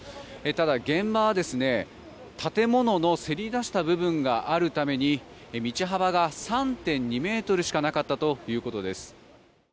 ただ現場は、建物のせり出した部分があるために道幅が３．２ｍしかなかったということです。